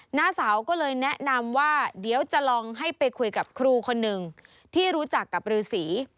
หน้าสาวก็เลยแนะนำว่าเดี๋ยวจะลองให้ไปคุยกับครูคนหนึ่งที่รู้จักกับฤษี